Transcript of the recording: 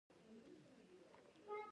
د غنمو کرکیله د ژوند وضعیت د پام وړ ښه کړ.